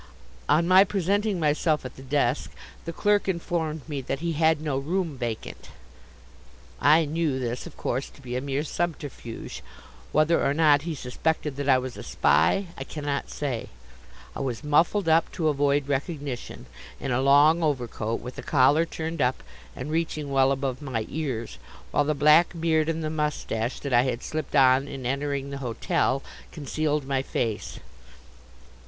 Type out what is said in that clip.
On my presenting myself at the desk the clerk informed me that he had no room vacant. I knew this of course to be a mere subterfuge; whether or not he suspected that I was a Spy I cannot say. I was muffled up, to avoid recognition, in a long overcoat with the collar turned up and reaching well above my ears, while the black beard and the moustache, that I had slipped on in entering the hotel, concealed my face.